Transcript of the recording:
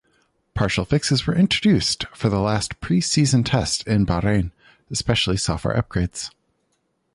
Partial fixes were introduced for the last pre-season tests in Bahrain, especially software upgrades.